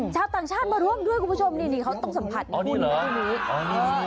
ชาวต่างชาติมารวมด้วยคุณผู้ชมนี่เขาต้องสัมผัสครูนี่